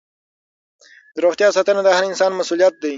د روغتیا ساتنه د هر انسان مسؤلیت دی.